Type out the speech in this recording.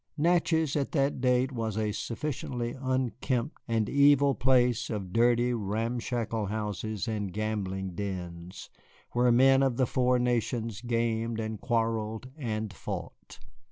Natchez at that date was a sufficiently unkempt and evil place of dirty, ramshackle houses and gambling dens, where men of the four nations gamed and quarrelled and fought.